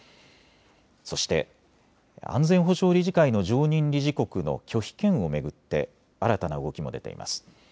そして、安全保障理事会の常任理事国の拒否権を巡って新たな動きも出ています。